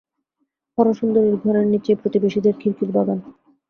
হরসুন্দরীর ঘরের নিচেই প্রতিবেশীদের খিড়কির বাগান।